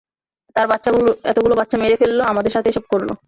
তার এতগুলো বাচ্চা মেরে ফেললো, আমাদের সাথে এসব করলো।